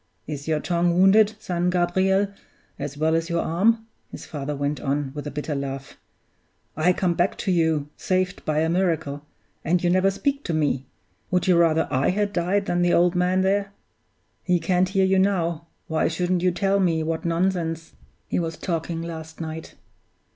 "Is your tongue wounded, son Gabriel, as well as your arm?" his father went on, with a bitter laugh. "I come back to you, saved by a miracle; and you never speak to me. Would you rather I had died than the old man there? He can't hear you now why shouldn't you tell me what nonsense he was talking last night?